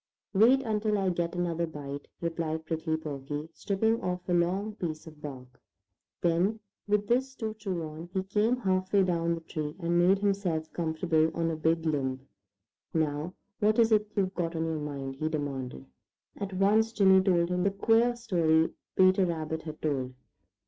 "Wait until I get another bite," replied Prickly Porky, stripping off a long piece of bark. Then with this to chew on, he came half way down the tree and made himself comfortable on a big limb. "Now, what is it you've got on your mind?" he demanded. At once Jimmy told him the queer story Peter Rabbit had told.